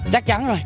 chắc chắn rồi